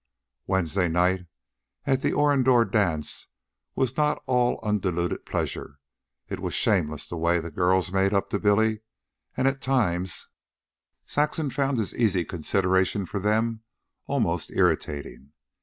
Wednesday night, at the Orindore dance, was not all undiluted pleasure. It was shameless the way the girls made up to Billy, and, at times, Saxon found his easy consideration for them almost irritating.